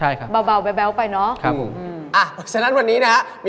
ยังครับผม